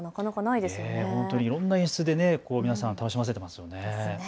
いろんな演出で皆さん、楽しませていますね。